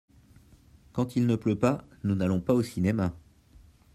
Quand il ne pleut pas nous n'allons pas au cinéma.